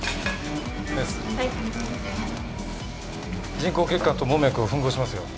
人工血管と門脈を吻合しますよ。